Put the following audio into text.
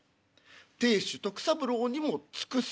亭主徳三郎にも尽くす。